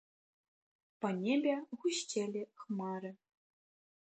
Па небе гусцелі хмары.